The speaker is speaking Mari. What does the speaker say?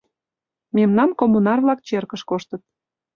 Мемнан коммунар-влак черкыш коштыт?!